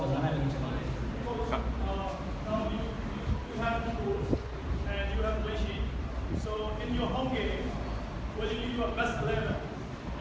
พูดถึงลูกทีมหน่อยครับวันนี้ผลงาน